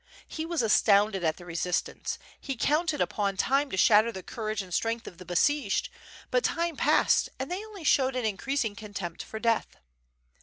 He was astounded at the resistance; he WITH FIRE AND SWORD. 735 counted upon time to shatter the courage and strength of the besieged, but time passed and they only showed an in creasing contempt for death.